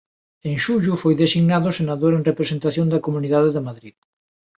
En xullo foi designado senador en representación da Comunidade de Madrid.